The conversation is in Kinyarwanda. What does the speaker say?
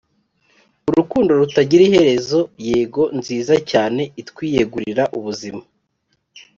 urukundo rutagira iherezo: yego nziza cyane itwiyegurira ubuzima